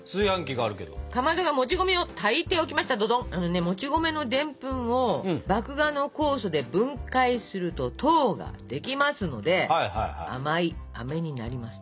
あのねもち米のでんぷんを麦芽の酵素で分解すると糖ができますので甘いあめになりますと。